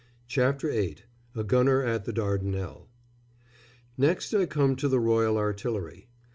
CHAPTER VIII A GUNNER AT THE DARDANELLES ["Next I come to the Royal Artillery.